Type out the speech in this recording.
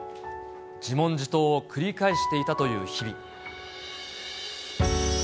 自問自答を繰り返していたという日々。